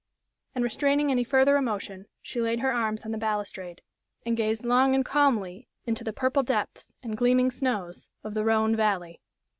And restraining any further emotion, she laid her arms on the balustrade and gazed long and calmly into the purple depths and gleaming snows of the Rhône valley.